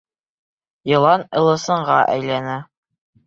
Йылан ыласынға әйләнә.